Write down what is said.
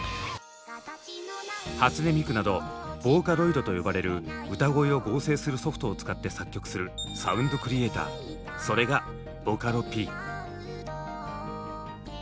初音ミクなどボーカロイドと呼ばれる歌声を合成するソフトを使って作曲するサウンドクリエーターそれがボカロＰ。